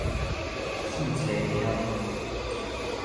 四叉貓